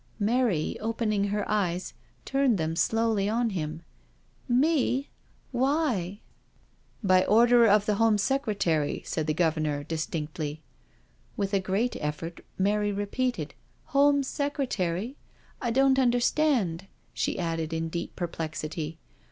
Mary, opening her eyes, turned them slowly on him. "Me? Why?'* 292 NO SURRENDER *' By order of the Home Secretary/' said the Gov ernor distinctly. With a great effort Mary repeated: " Home Secretary? I don't understand/' she added in deep perplexity.